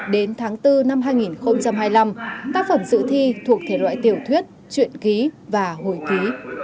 đến tháng bốn năm hai nghìn hai mươi năm tác phẩm dự thi thuộc thể loại tiểu thuyết chuyện ký và hồi ký